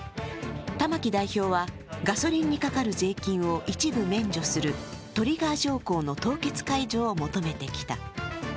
玉木代表はガソリンにかかる税金を一部免除するトリガー条項の凍結解除を求めてきた。